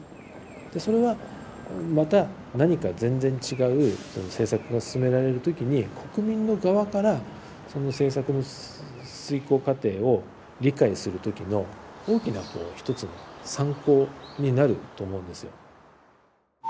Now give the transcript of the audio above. でそれはまた何か全然違う政策が進められる時に国民の側からその政策の遂行過程を理解する時の大きなこう一つの参考になると思うんですよ。